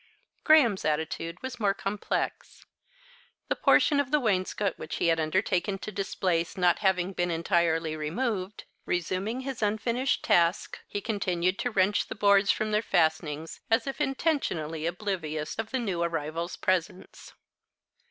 Graham's attitude was more complex. The portion of the wainscot which he had undertaken to displace not having been entirely removed, resuming his unfinished task, he continued to wrench the boards from their fastenings as if intentionally oblivious of the new arrival's presence.